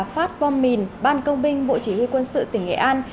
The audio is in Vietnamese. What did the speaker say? phát bom mìn ban công binh bộ chỉ huy quân sự tỉnh nghệ an